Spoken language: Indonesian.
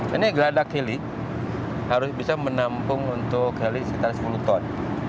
ini geladak heli harus bisa menampung untuk heli sekitar sepuluh ton